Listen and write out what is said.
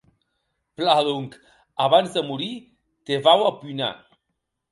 Plan, donc, abans de morir te vau a punar.